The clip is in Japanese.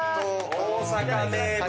大阪名物。